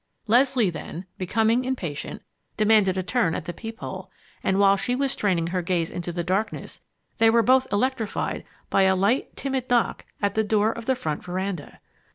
Leslie then, becoming impatient, demanded a turn at the peep hole, and while she was straining her gaze into the darkness, they were both electrified by a light, timid knock at the door of the front veranda.